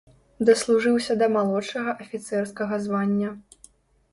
Даслужыўся да малодшага афіцэрскага звання.